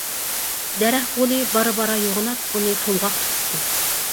دەرەخ غولى بارا-بارا يوغىناپ، ئۇنى تولغاق تۇتۇپتۇ.